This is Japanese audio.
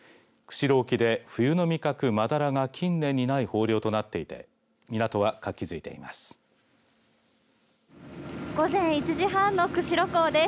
釧路沖で、冬の味覚マダラが近年にない豊漁となっていて港は活気づいています。